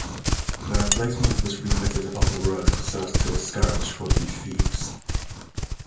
The replacement was refitted above the road so as to discourage would-be thieves.